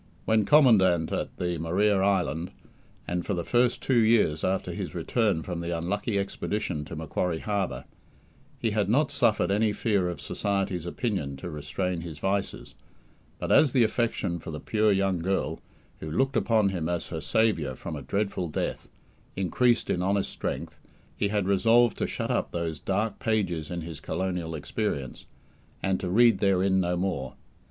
When Commandant at the Maria Island, and for the first two years after his return from the unlucky expedition to Macquarie Harbour, he had not suffered any fear of society's opinion to restrain his vices, but, as the affection for the pure young girl, who looked upon him as her saviour from a dreadful death, increased in honest strength, he had resolved to shut up those dark pages in his colonial experience, and to read therein no more.